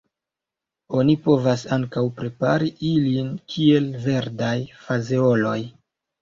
Oni povas ankaŭ prepari ilin kiel verdaj fazeoloj.